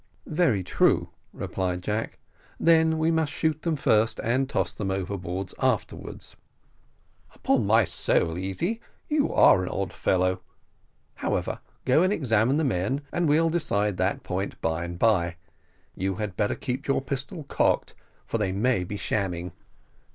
"Very true," replied Jack; "then we must shoot them first, and toss them overboard afterwards." "Upon my soul, Easy, you are an odd fellow: however, go and examine the men, and we'll decide that point by and bye you had better keep your pistol ready cocked for they may be shamming."